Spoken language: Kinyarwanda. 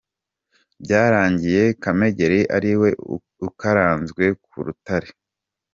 Byarangiye Kamegeri ari we ukaranzwe ku rutare.